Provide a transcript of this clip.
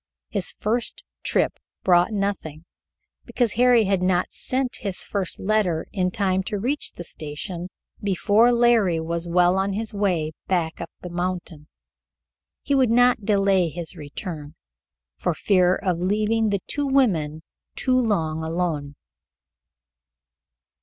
His first trip brought nothing, because Harry had not sent his first letter in time to reach the station before Larry was well on his way back up the mountain. He would not delay his return, for fear of leaving the two women too long alone.